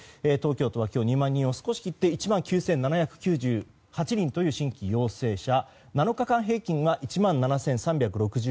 東京都は今日２万人を少し切って１万９７９８人という新規陽性者７日間平均は１万７３６８．１人。